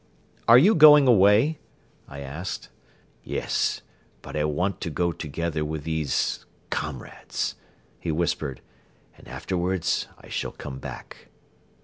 "Are you going away?" I asked. "Yes, but I want to go together with these comrades,'" he whispered, "and afterwards I shall come back."